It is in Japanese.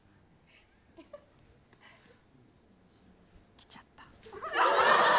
来ちゃった。